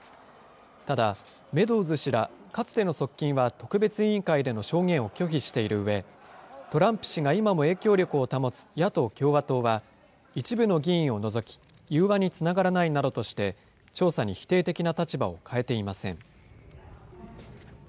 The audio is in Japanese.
ただ、メドウズ氏らかつての側近は特別委員会での証言を拒否しているうえ、トランプ氏が今も影響力を保つ野党・共和党は、一部の議員を除き、融和につながらないなどとして、調査に否定的な立場を変えていません。